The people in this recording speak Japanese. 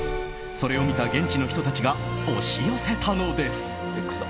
それを見た現地の人たちが押し寄せたのです。